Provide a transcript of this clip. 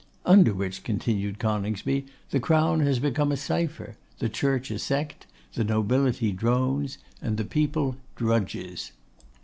'Under which,' continued Coningsby, 'the Crown has become a cipher; the Church a sect; the Nobility drones; and the People drudges.